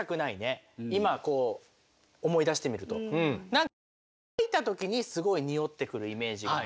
何か乾いた時にすごい臭ってくるイメージがある。